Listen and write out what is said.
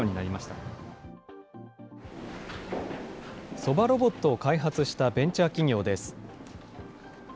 そばロボットを開発したベンチャー企業です。